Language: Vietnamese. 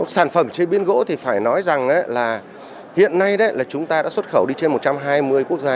sản phẩm chế biến gỗ thì phải nói rằng là hiện nay là chúng ta đã xuất khẩu đi trên một trăm hai mươi quốc gia